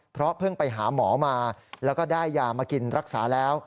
เพราะเพิ่งไปหาหมอมาแล้วก็ได้ยามากินรักษาแล้ว